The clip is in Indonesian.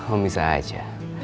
oh misalnya aja